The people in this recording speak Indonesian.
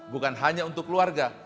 bukan hanya untuk keluarga